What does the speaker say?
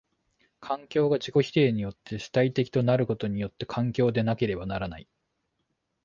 環境が自己否定によって主体的となることによって環境でなければならない。